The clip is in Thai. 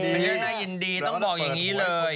เป็นเรื่องน่ายินดีต้องบอกอย่างนี้เลย